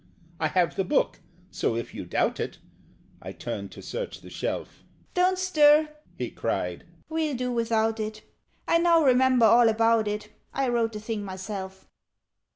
"I have the book; so, if you doubt it " I turned to search the shelf. "Don't stir!" he cried. "We'll do without it; I now remember all about it; I wrote the thing myself.